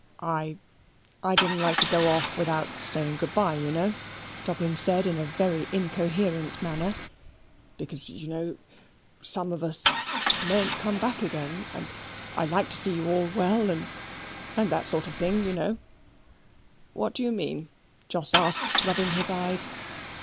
"I I didn't like to go off without saying good bye, you know," Dobbin said in a very incoherent manner; "because you know some of us mayn't come back again, and I like to see you all well, and and that sort of thing, you know." "What do you mean?" Jos asked, rubbing his eyes.